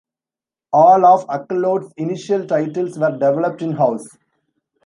All of Accolade's initial titles were developed in-house.